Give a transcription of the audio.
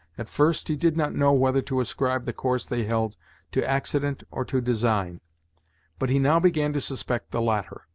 At first, he did not know whether to ascribe the course they held to accident or to design; but he now began to suspect the latter.